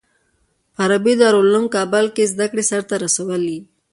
په عربي دارالعلوم کابل کې زده کړې سر ته رسولي.